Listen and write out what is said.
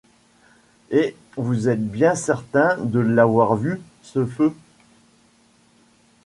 Et vous êtes bien certain de l’avoir vu, ce feu?